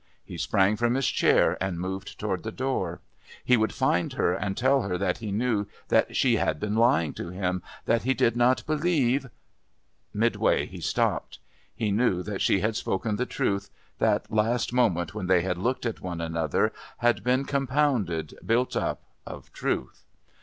He sprang from his chair and moved towards the door. He would find her and tell her that he knew that she had been lying to him, that he did not believe Mid way he stopped. He knew that she had spoken the truth, that last moment when they had looked at one another had been compounded, built up, of truth.